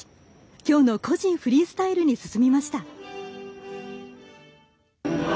きょうの個人フリースタイルに進みました。